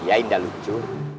iya indah lucu